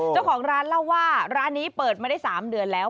เจ้าของร้านเล่าว่าร้านนี้เปิดมาได้๓เดือนแล้ว